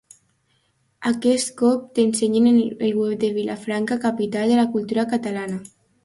Aquest cop t'ensenyem el web de Vilafranca Capital de la Cultura Catalana.